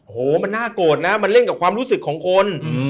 โหมันน่าโกรธนะมันเล่นกับความรู้สึกของคน